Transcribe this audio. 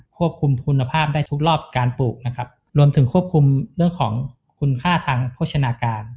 ควบคุมคุณภาพได้ทุกรอบการปลูกนะครับรวมถึงควบคุมเรื่องของคุณค่าทางโภชนาการ